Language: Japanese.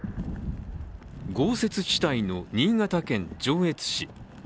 豪雪地帯の新潟県上越市。